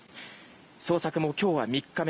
捜索も今日は３日目。